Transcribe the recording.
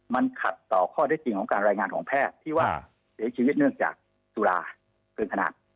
มันขัดต่อข้อได้จริงของการรายงานของแพทย์ที่ว่าเสียชีวิตเนื่องจากตุลาเกินขนาด